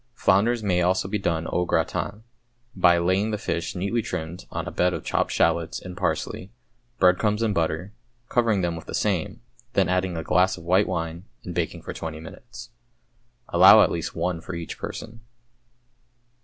Flounders may also be done au gratin, by laying the fish (neatly trimmed) on a bed of chopped shallots and parsley, breadcrumbs and butter, covering them with the same, then adding a glass of white wine, and baking for twenty minutes. Allow at least one for each person.